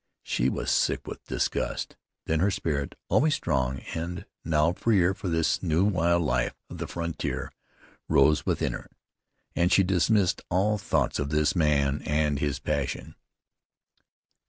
She was sick with disgust. Then her spirit, always strong, and now freer for this new, wild life of the frontier, rose within her, and she dismissed all thoughts of this man and his passion.